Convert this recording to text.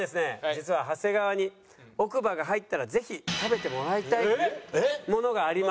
実は長谷川に奥歯が入ったらぜひ食べてもらいたいものがありまして。